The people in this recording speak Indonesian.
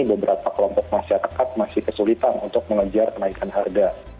beberapa kelompok masyarakat masih kesulitan untuk mengejar kenaikan harga